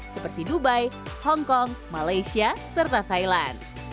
seperti dubai hongkong malaysia serta thailand